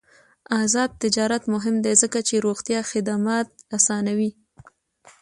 آزاد تجارت مهم دی ځکه چې روغتیا خدمات اسانوي.